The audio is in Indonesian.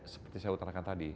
ya saya seperti saya utarakan tadi